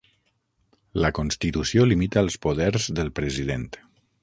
La constitució limita els poders del president.